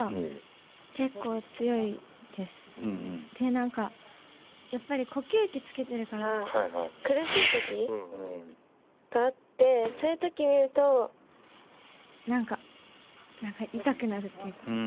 何かやっぱり呼吸器つけてるから苦しい時があってそういう時見ると何か何か痛くなるっていうか。